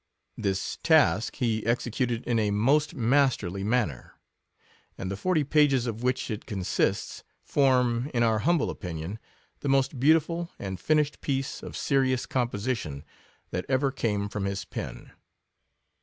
This task he executed in a most mas terly manner; and the forty pages of which it consists, form, in our humble opinion, the most beautiful and finished piece of serious compositipn that ever came from his pen.